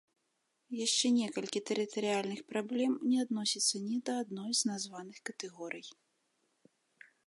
Яшчэ некалькі тэрытарыяльных праблем не адносяцца ні да адной з названых катэгорый.